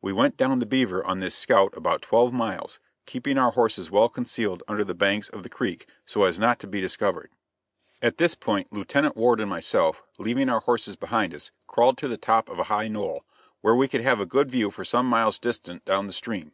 We went down the Beaver on this scout about twelve miles, keeping our horses well concealed under the banks of the creek, so as not to be discovered. At this point, Lieutenant Ward and myself, leaving our horses behind us, crawled to the top of a high knoll, where we could have a good view for some miles distant down the stream.